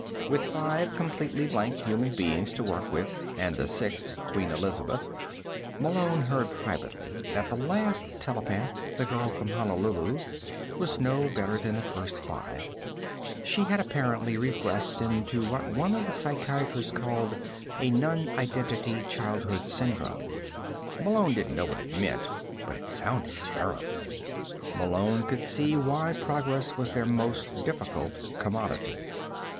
With five completely blank human beings to work with, and the sixth Queen Elizabeth (Malone heard privately that the last telepath, the girl from Honolulu, was no better than the first five; she had apparently regressed into what one of the psychiatrists called a "non identity childhood syndrome." Malone didn't know what it meant, but it sounded terrible.) Malone could see why progress was their most difficult commodity.